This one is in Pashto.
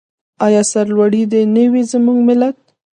آیا سرلوړی دې نه وي زموږ ملت؟